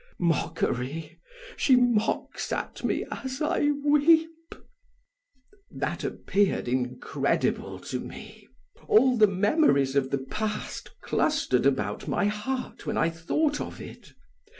Mockery! She mocks at me as I weep!" That appeared incredible to me. All the memories of the past clustered about my heart when I thought of it.